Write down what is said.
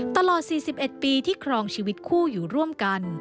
ตลอด๔๑ปีที่ครองชีวิตคู่อยู่ร่วมกัน